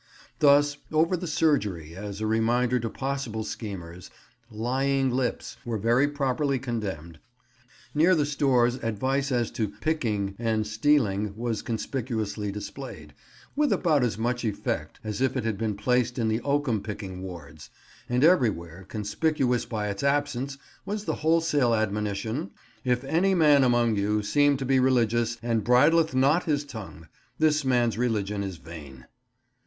Thus over the surgery, as a reminder to possible schemers, "lying lips" were very properly condemned; near the stores advice as to "picking and stealing" was conspicuously displayed, with about as much effect as if it had been placed in the oakum picking wards; and everywhere, conspicuous by its absence, was the wholesome admonition, "If any man among you seem to be religious, and bridleth not his tongue, this man's religion is vain."